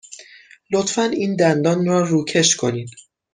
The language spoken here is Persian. لطفاً این دندان را روکش کنید.